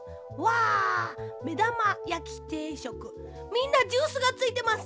みんなジュースがついてます。